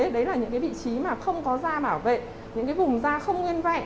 đấy là những vị trí mà không có da bảo vệ những vùng da không nguyên vẹn